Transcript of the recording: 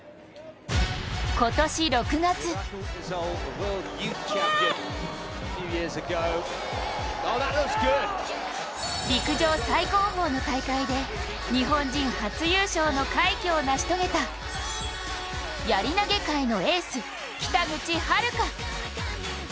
今年６月、陸上最高峰の大会で日本人初優勝の快挙を成し遂げたやり投界のエース、北口榛花。